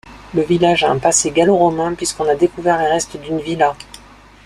Le village a un passé gallo-romain puisqu'on a découvert les restes d'une villa.